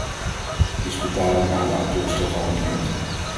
Is betaling aan de auteurs gegarandeerd?